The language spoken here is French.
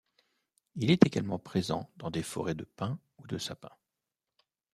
Il est également présent dans des forêts de pins ou de sapins.